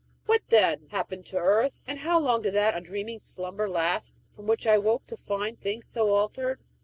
"What, then, happened to earth, and how long did that undreaming slumber last from which I woke to find things so altered?